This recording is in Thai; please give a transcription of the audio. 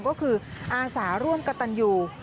ก็คืออาสาร่วมกับตันยู